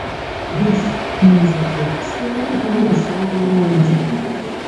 Nze kye kisinga okumpisa obulungi.